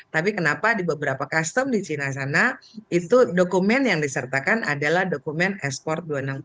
tapi kenapa di beberapa custom di china sana dokumen yang disertakan adalah dokumen ekspor dua ribu enam ratus empat